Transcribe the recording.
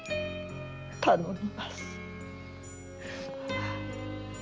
頼みます。